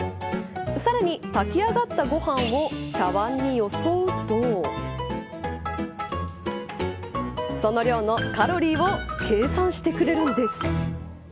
さらに炊き上がったご飯を茶わんによそうとその量のカロリーを計算してくれるんです。